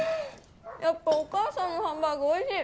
やっぱお母さんのハンバーグおいしい。